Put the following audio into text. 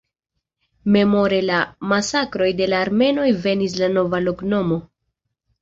Memore al masakroj de la armenoj venis la nova loknomo.